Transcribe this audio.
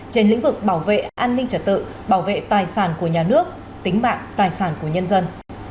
trên lĩnh vực bảo vệ an ninh trật tự bảo vệ tài sản của nhà nước tính mạng tài sản của nhân dân